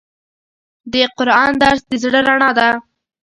د قرآن درس د زړه رڼا ده.